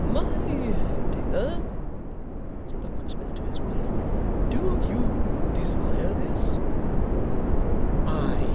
'My dear,' said the locksmith to his wife. 'Do you desire this?